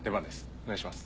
お願いします。